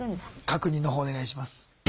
確認の方お願いします。